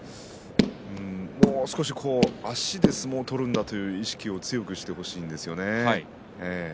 もう少し足で相撲を取るんだという意識を強くしてほしいですよね。